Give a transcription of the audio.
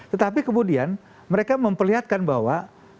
tetapi kemudian mereka memperlihatkan bahwa